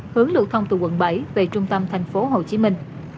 hướng lưu thông từ quận bảy về trung tâm thành phố hồ chí minh